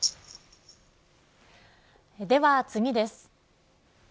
では次です。